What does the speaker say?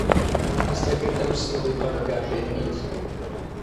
حەز دەکەیت ئەم سندووقە بەکاربهێنیت؟